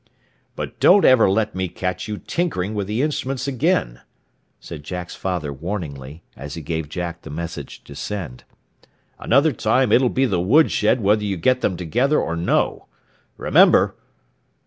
"But don't let me ever catch you tinkering with the instruments again," said Jack's father warningly, as he gave Jack the message to send. "Another time it'll be the woodshed whether you get them together or no. Remember!"